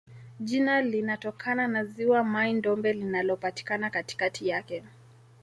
Jina linatokana na ziwa Mai-Ndombe linalopatikana katikati yake.